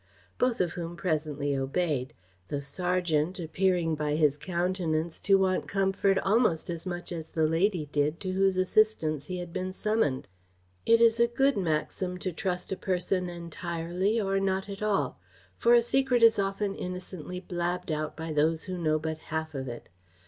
Both of whom presently obeyed: the serjeant appearing by his countenance to want comfort almost as much as the lady did to whose assistance he had been summoned, It is a good maxim to trust a person entirely or not at all; for a secret is often innocently blabbed out by those who know but half of it.